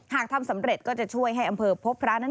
หากทำสำเร็จก็จะช่วยให้อำเภอพบพระนั้น